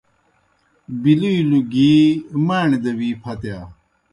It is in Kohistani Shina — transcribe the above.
بِلِیلوْ گی ماݨیْ دہ وی پھتِیا۔